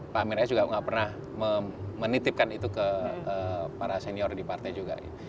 pak amin rais juga nggak pernah menitipkan itu ke para senior di partai juga